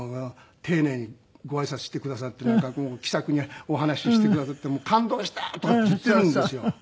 丁寧にご挨拶してくださって気さくにお話ししてくださって感動した！」とかって言ってるんですよ。